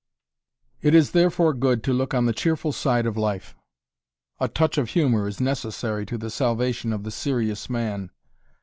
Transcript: It is therefore good to look on the cheerful side of life. A touch of humor is necessary to the salvation of the serious man.